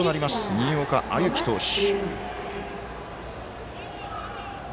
新岡歩輝投手。